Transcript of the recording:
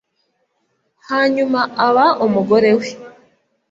hanyuma aba umugore we.